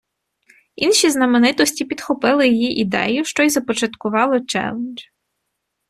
Інші знаменитості підхопили її ідею, що й започаткувало челендж.